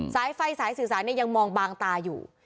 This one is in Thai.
สายไฟสายสื่อสารยังมองบางตาอยู่